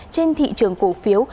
trên thị trường cổ phiếu